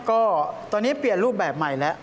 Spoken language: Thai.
ก็ตอนนี้เปลี่ยนรูปแบบใหม่แล้ว